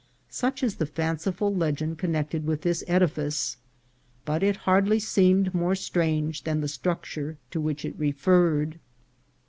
Such is the fanciful legend connected with this edifice ; but it hardly seemed more strange than the structure to which it referred.